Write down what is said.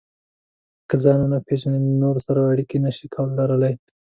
که ځان ونه پېژنئ، له نورو سره اړیکې نشئ لرلای.